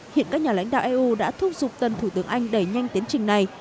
hiện các nhà lãnh đạo eu đã thúc giục tân thủ tướng anh đẩy nhanh tiến trình này